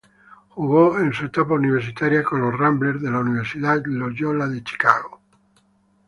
Jugó en su etapa universitaria con los "Ramblers" de la Universidad Loyola Chicago.